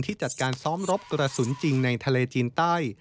จัดการซ้อมรบกระสุนจริงในทะเลจีนใต้